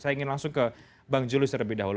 saya ingin langsung ke bang julius terlebih dahulu